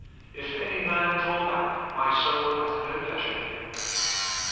If any man draw back, My soul hath no pleasure in him.